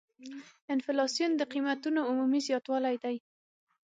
انفلاسیون د قیمتونو عمومي زیاتوالی دی.